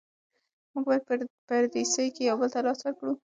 موږ باید په پردیسۍ کې یو بل ته لاس ورکړو.